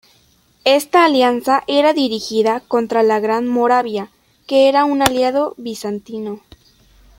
Esta alianza era dirigida contra la Gran Moravia, que era un aliado bizantino.